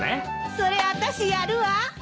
それあたしやるわ！